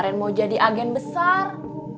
sayang kalo saja kita bisa beban seharian